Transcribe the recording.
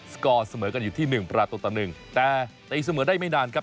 กอร์เสมอกันอยู่ที่๑ประตูต่อหนึ่งแต่ตีเสมอได้ไม่นานครับ